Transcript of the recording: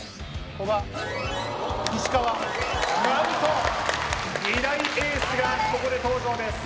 古賀石川何と二大エースがここで登場です